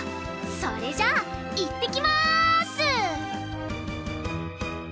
それじゃあいってきます！